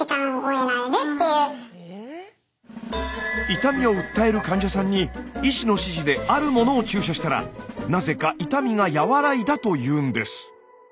痛みを訴える患者さんに医師の指示でなぜか痛みが和らいだというんです。